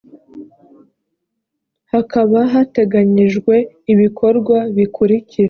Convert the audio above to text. hakaba hateganyijwe ibikorwa bikurikira